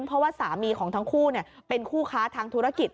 เพราะว่าสามีของทั้งคู่เป็นคู่ค้าทางธุรกิจ